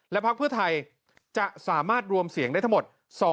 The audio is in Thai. พักเพื่อไทยจะสามารถรวมเสียงได้ทั้งหมด